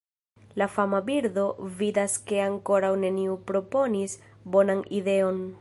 La fama birdo vidas ke ankoraŭ neniu proponis bonan ideon.